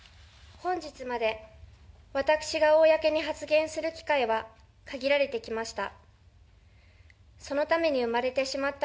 本日まで私が公に発言する機会は限られてきました。